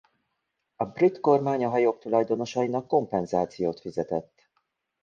A brit kormány a hajók tulajdonosainak kompenzációt fizetett.